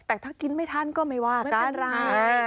แต่ถ้ากินไม่ทันก็ไม่ว่าการร้าย